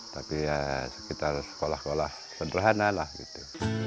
tapi ya sekitar sekolah sekolah sederhana lah gitu